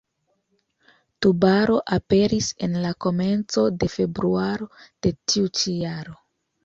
Tubaro aperis en la komenco de februaro de tiu ĉi jaro.